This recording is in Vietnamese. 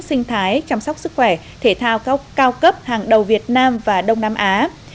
sinh thái chăm sóc sức khỏe thể thao cao cấp hàng đầu việt nam và đông nam á